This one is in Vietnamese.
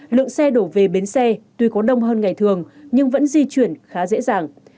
lượng xe đổ về bến xe tuy có đông hơn ngày thường nhưng vẫn di chuyển khá dễ dàng